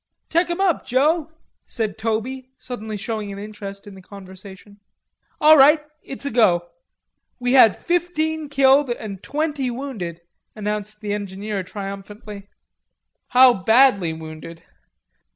"Tek him up, Joe," said Toby, suddenly showing an interest in the conversation. "All right, it's a go." "We had fifteen killed and twenty wounded," announced the engineer triumphantly. "How badly wounded?"